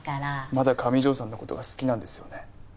まだ上條さんの事が好きなんですよね？